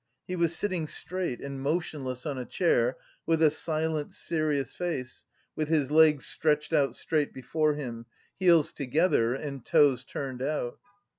He was sitting straight and motionless on a chair, with a silent, serious face, with his legs stretched out straight before him heels together and toes turned out.